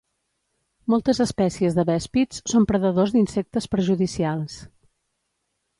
Moltes espècies de vèspids són predadors d'insectes perjudicials.